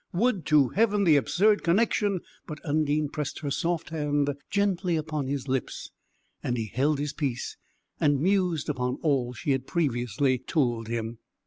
Would to Heaven the absurd connection" But Undine pressed her soft hand gently upon his lips. And he held his peace, and mused upon all she had previously told him.